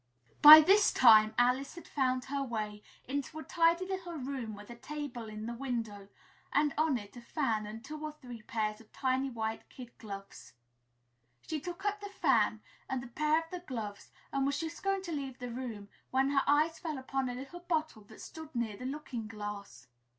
By this time, Alice had found her way into a tidy little room with a table in the window, and on it a fan and two or three pairs of tiny white kid gloves; she took up the fan and a pair of the gloves and was just going to leave the room, when her eyes fell upon a little bottle that stood near the looking glass.